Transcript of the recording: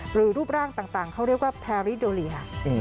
รูปร่างต่างเขาเรียกว่าแพริโดเรีย